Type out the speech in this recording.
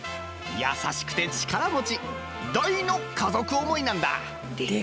優しくて力持ち大の家族思いなんだ。